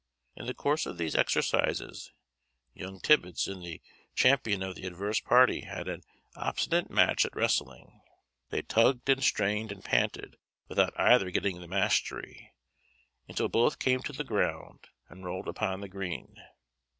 In the course of these exercises, young Tibbets and the champion of the adverse party had an obstinate match at wrestling. They tugged, and strained, and panted, without either getting the mastery, until both came to the ground, and rolled upon the green.